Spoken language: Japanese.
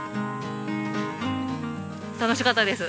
楽しかったです。